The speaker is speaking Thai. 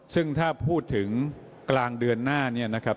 ซึ่งถ้าพูดถึงกลางเดือนหน้าเนี่ยนะครับ